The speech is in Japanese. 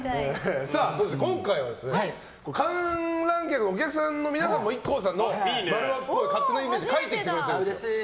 そして、今回は観覧のお客さんもＩＫＫＯさんの○○っぽい勝手なイメージを書いてくれてるんです。